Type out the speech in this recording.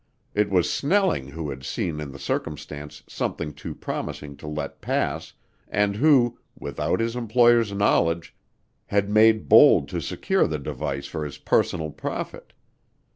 It was Snelling who had seen in the circumstance something too promising to let pass and who, without his employer's knowledge, had made bold to secure the device for his personal profit.